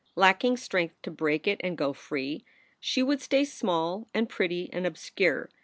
Lacking strength to break it and go free, she would stay small and pretty and obscure.